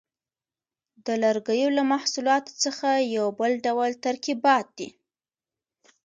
د لرګیو له محصولاتو څخه یو بل ډول ترکیبات دي.